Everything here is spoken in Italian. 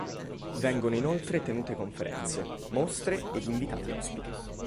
Vengono inoltre tenute conferenze, mostre ed invitati ospiti.